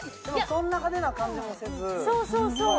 そんな派手な感じもせずそう